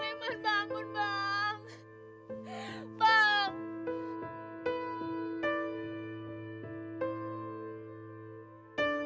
kita kan belum bakar masjid bang